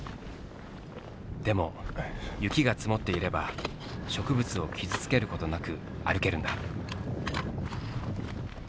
でも雪が積もっていれば植物を傷つけることなく歩けるんだ。